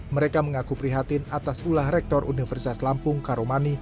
mereka mengaku prihatin atas ulah rektor universitas lampung karomani